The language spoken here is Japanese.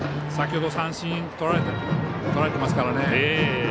先ほど、三振とられてますからね。